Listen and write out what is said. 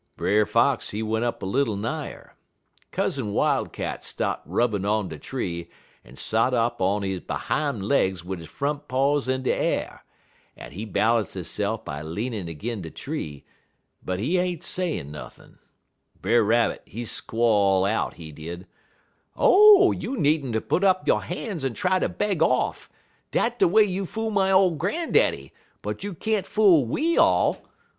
"Brer Fox, he went up little nigher. Cousin Wildcat stop rubbin' on de tree, en sot up on he behime legs wid he front paws in de a'r, en he balance hisse'f by leanin' 'gin' de tree, but he ain't sayin' nothin'. Brer Rabbit, he squall out, he did: "'Oh, you nee'nter put up yo' han's en try ter beg off. Dat de way you fool my ole gran'daddy; but you can't fool we all.